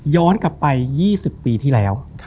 กลับไป๒๐ปีที่แล้ว